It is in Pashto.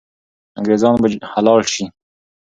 انګریزان به حلال سي.